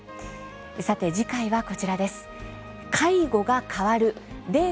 さて、次回はこちらです。